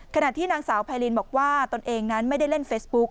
ขณะที่นางสาวไพรินบอกว่าตนเองนั้นไม่ได้เล่นเฟซบุ๊ก